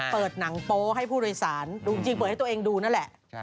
เปิดหนังโป๊ให้ผู้โดยสารจริงเปิดให้ตัวเองดูนั่นแหละ